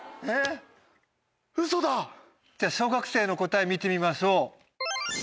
小学生の答え見てみましょう。